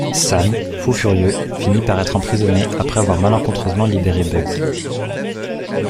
Sam, fou furieux, finit par être emprisonné après avoir malencontreusement libéré Bugs.